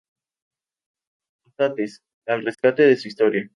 Otates, al rescate de su Historia.